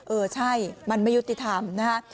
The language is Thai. เออใช่มันไม่ยุติธรรมนะฮะ